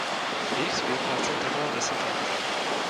Jejich spolupráce trvala deset let.